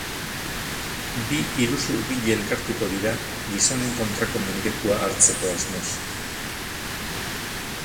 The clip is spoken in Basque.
Bi iruzurgile elkartuko dira, gizonen kontrako mendekua hartzeko asmoz.